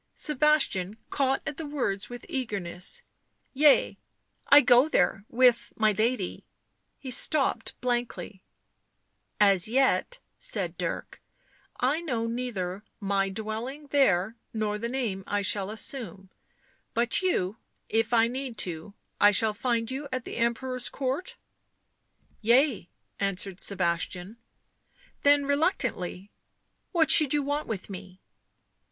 Sebastian caught at the words with eagerness. " Yea — I go there with — my lady " He stopped blankly. " As yet," said Dirk, " I know neither my dwelling there nor the name I shall assume. But you — if I need to I shall find you at the Emperor's court ?" "Yea," answered Sebastian; then, reluctantly, " What should you want with me